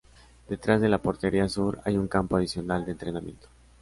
Detrás de la portería sur hay un campo adicional de entrenamiento.